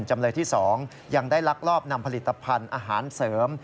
จำเลยที่๒ยังได้ลักลอบนำผลิตภัณฑ์อาหารเสริม